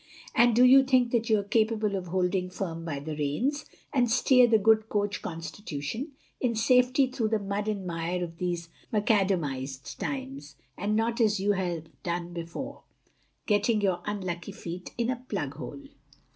And do you think that you are capable of holding firm by the reins, and steer the good coach Constitution, in safety through the mud and mire of these macadamized times, and not as you have done before, getting your unlucky feet in a plug hole.